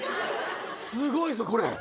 すごいぞこれ！